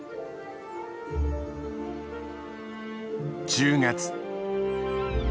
１０月。